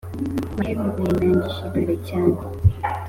Maheru ngo yayirangije kare cyane